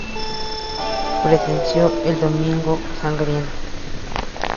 Presenció el Domingo Sangriento.